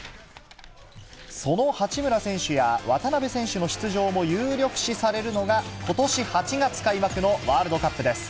その八村選手や渡邊選手の出場も有力視されるのが、ことし８月開幕のワールドカップです。